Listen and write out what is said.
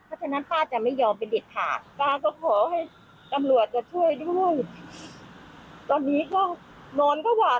เพราะฉะนั้นป้าจะไม่ยอมเป็นเด็ดขาดป้าก็ขอให้ตำรวจจะช่วยด้วย